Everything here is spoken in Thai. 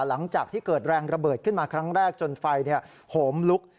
หลังจากที่เกิดแรงระเบิดขึ้นมาครั้งแรกจนไฟโหมลุก